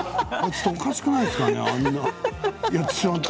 ちょっとおかしくないですか？